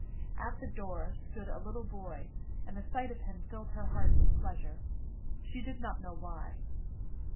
At the door stood a little boy, and the sight of him filled her heart with pleasure, she did not know why.